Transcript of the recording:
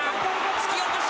突き落とし。